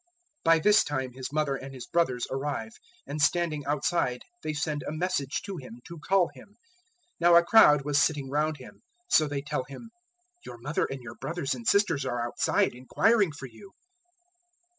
003:031 By this time His mother and His brothers arrive, and standing outside they send a message to Him to call Him. 003:032 Now a crowd was sitting round Him; so they tell Him, "Your mother and your brothers and sisters are outside, inquiring for you."